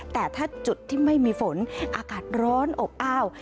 แต่ถ้าจุดที่ไม่มีฝนอากาศร้อนอบอ้าว